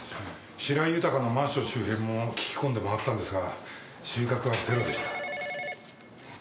白井豊のマンション周辺も聞き込んで回ったんですが収穫はゼロでした。